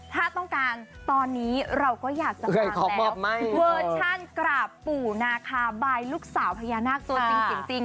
ถ้าต้องการตอนนี้เราก็อยากจะตามแล้วเวอร์ชันกราบปู่นาคาบายลูกสาวพญานาคตัวจริง